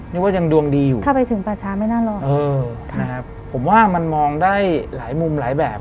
ยังว่ายังดวงดีอยู่ถ้าไปถึงป่าช้าไม่น่าหรอกเออนะครับผมว่ามันมองได้หลายมุมหลายแบบ